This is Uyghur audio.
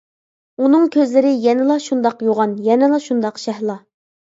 ئۇنىڭ كۆزلىرى يەنىلا شۇنداق يوغان، يەنىلا شۇنداق شەھلا.